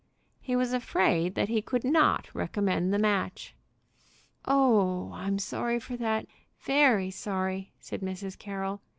He was afraid that he could not recommend the match. "Oh, I'm sorry for that, very sorry!" said Mrs. Carroll.